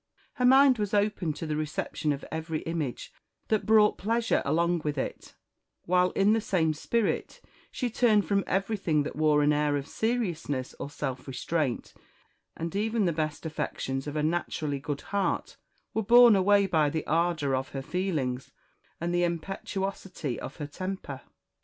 Her mind was open to the reception of every image that brought pleasure along with it; while, in the same spirit, she turned from everything that wore an air of seriousness or self restraint; and even the best affections of a naturally good heart were borne away by the ardour of her feelings and the impetuosity of her temper.